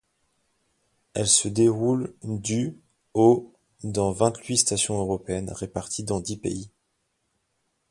Elle se déroule du au dans vingt-huit stations européennes réparties dans dix pays.